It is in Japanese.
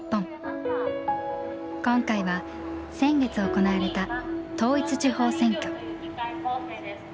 今回は先月行われた統一地方選挙。